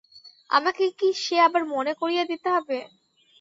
আমাকে কি সে আবার মনে করিয়ে দিতে হবে!